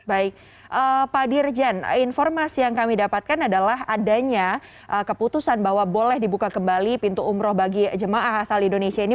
baik pak dirjen informasi yang kami dapatkan adalah adanya keputusan bahwa boleh dibuka kembali pintu umroh bagi jemaah asal indonesia ini